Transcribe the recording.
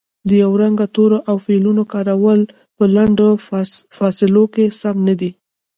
د یو رنګه تورو او فعلونو کارول په لنډو فاصلو کې سم نه دي